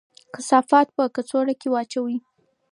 کثافات په کڅوړه کې واچوئ.